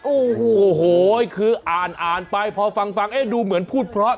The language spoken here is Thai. โอ้โฮคืออ่านไปพอฟังนี่ดูเหมือนพูดเพราะ